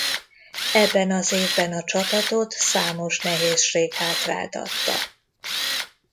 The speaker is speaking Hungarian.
Ebben az évben a csapatot számos nehézség hátráltatta.